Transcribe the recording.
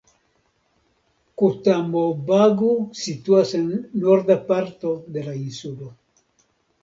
Kotamobagu situas en norda parto de la insulo.